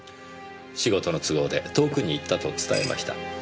仕事の都合で遠くに行ったと伝えました。